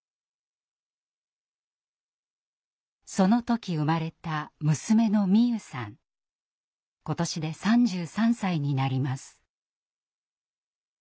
その時生まれた今年で３３歳になります。